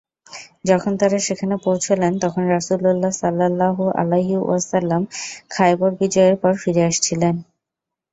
যখন তারা সেখানে পৌঁছলেন তখন রাসূলুল্লাহ সাল্লাল্লাহু আলাইহি ওয়াসাল্লাম খায়বর বিজয়ের পর ফিরে আসছিলেন।